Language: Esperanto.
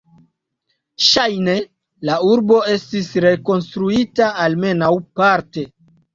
Ŝajne la urbo estis rekonstruita, almenaŭ parte.